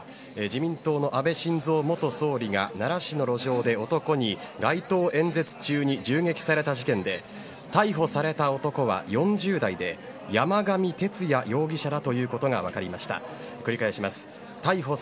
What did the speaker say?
自民党の安倍晋三元総理が奈良市の街頭で男に街頭演説中に撃たれた事件で逮捕された男は４０代で山上徹也容疑者だということが分かりました。